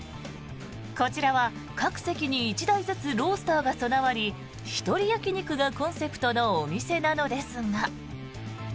こちらは各席に１台ずつロースターが備わり一人焼き肉がコンセプトのお店なのですが。